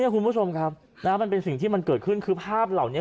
คุณผู้ชมครับมันเป็นสิ่งที่มันเกิดขึ้นคือภาพเหล่านี้